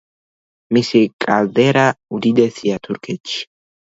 მისი კალდერა უდიდესია თურქეთში.